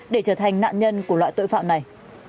để trở thành nạn nhân của loại tội phạm này